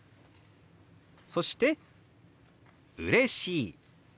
そして「うれしい」。